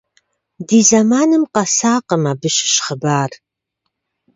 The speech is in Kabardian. Ди зэманым къэсакъым абы щыщ хъыбар.